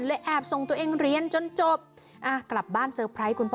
แอบส่งตัวเองเรียนจนจบอ่ากลับบ้านเตอร์ไพรส์คุณพ่อ